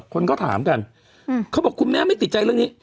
คนก็ถามกันเขาบอกคุณแม่ไม่ติดใจเรื่องนี้